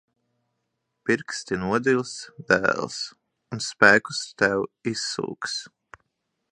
Pirksti nodils, dēls. Un spēkus tev izsūks.